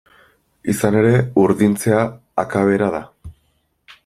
Izan ere, urdintzea akabera da.